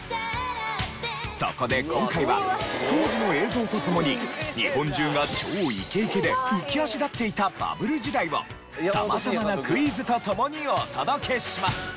そこで今回は当時の映像と共に日本中が超イケイケで浮き足立っていたバブル時代を様々なクイズと共にお届けします。